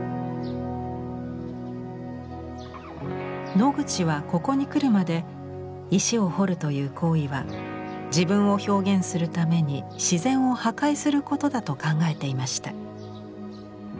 ノグチはここに来るまで石を彫るという行為は自分を表現するために自然を破壊することだと考えていました。